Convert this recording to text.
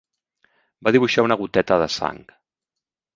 Va dibuixar una goteta de sang.